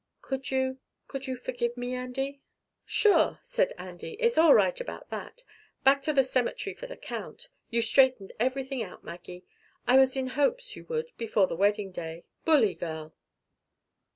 "Could you could you forgive me, Andy?" "Sure," said Andy. "It's all right about that. Back to the cemetery for the Count. You've straightened everything out, Maggie. I was in hopes you would before the wedding day. Bully girl!"